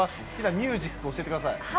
好きなミュージック教えてください。